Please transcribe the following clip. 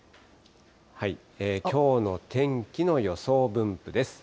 きょうの天気の予想分布です。